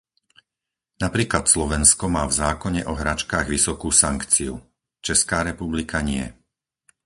Napríklad Slovensko má v zákone o hračkách vysokú sankciu. Česká republika nie.